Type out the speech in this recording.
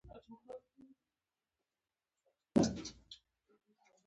په تندي کې ورته د ملک د لور سره لیکل شوي و.